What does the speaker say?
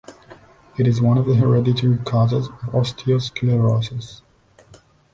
It is one of the hereditary causes of osteosclerosis.